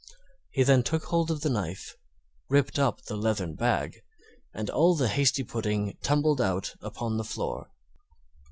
He then took hold of the knife, ripped up the leathern bag, and all the hasty pudding tumbled out upon the floor.